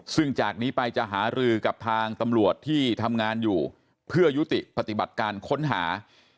ซึ่งจากนี้ไปจะหารือกับทางตำรวจที่ทำงานอยู่เพื่อยุติปฏิบัติการค้นหา